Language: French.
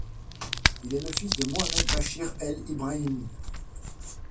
Il est le fils de Mohamed Bachir El Ibrahimi.